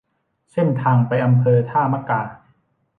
เส้นทางไปอำเภอท่ามะกา